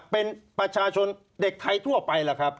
เป็นประชาชนเด็กไทยทั่วไปล่ะครับ